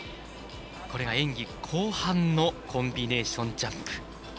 演技後半のコンビネーションジャンプ。